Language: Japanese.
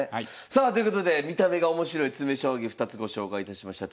さあということで見た目がおもしろい詰将棋２つご紹介いたしました。